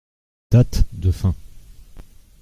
Date de fin.